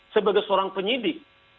sebagai seorang penyidik